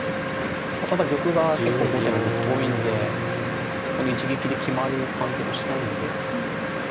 ただ玉が結構後手の玉遠いんでこの一撃で決まる感じもしないんで。